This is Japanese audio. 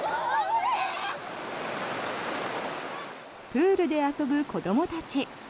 プールで遊ぶ子どもたち。